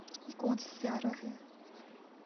یہ کون سا سیارہ ہے